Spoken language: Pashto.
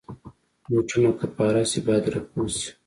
بوټونه که پاره شي، باید رفو شي.